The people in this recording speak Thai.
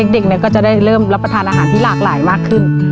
เด็กก็จะได้เริ่มรับประทานอาหารที่หลากหลายมากขึ้น